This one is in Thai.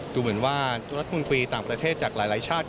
ดูเหมือนว่ารัฐมนตรีต่างประเทศจากหลายชาติ